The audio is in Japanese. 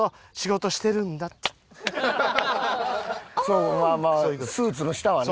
そうまあまあスーツの下はね。